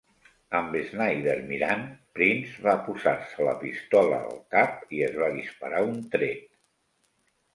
Amb Snyder mirant, Prinze va posar-se la pistola al cap i es va disparar un tret.